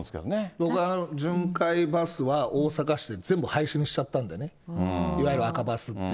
僕、巡回バスは大阪市で全部廃止にしちゃったんでね、いわゆる赤バスっていう。